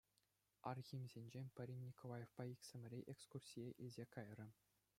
Архимсенчен пӗри Николаевпа иксӗмӗре экскурсие илсе кайрӗ.